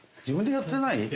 自分でやってない？